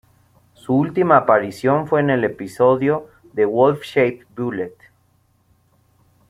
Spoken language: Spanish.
Su última aparición fue en el episodio "The Wolf-Shaped Bullet".